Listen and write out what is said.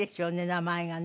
名前がね。